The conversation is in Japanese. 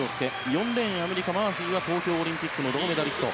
４レーン、アメリカのマーフィー東京オリンピックの銅メダリスト。